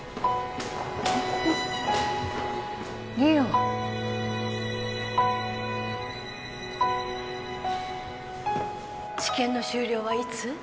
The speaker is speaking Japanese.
梨央治験の終了はいつ？